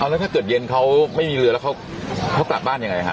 เอาแล้วถ้าเตือดเย็นเค้าไม่มีเรือแล้วยังคงได้หักออกบ้านยังไง